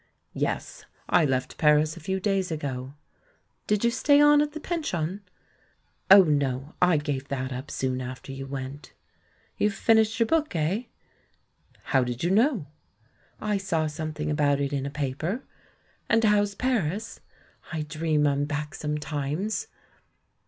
"Yes, I left Paris a few days ago." "Did you stay on at the pension?" "Oh no, I gave that up soon after you went." THE MAN WHO UNDERSTOOD WOMEN 13 "You've finished your book, eh?" *'How did you know?" "I saw something about it in a paper. And how's Paris? I dream I'm back sometimes."